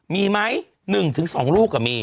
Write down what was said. มีไหม๑๒ลูกมี